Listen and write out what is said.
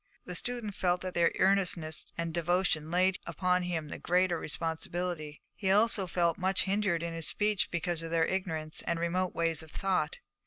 The student felt that their earnestness and devotion laid upon him the greater responsibility; he also felt much hindered in his speech because of their ignorance and remote ways of thought.